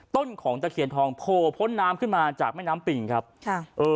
ต้นของตะเคียนทองโผล่พ้นน้ำขึ้นมาจากแม่น้ำปิ่งครับค่ะเออ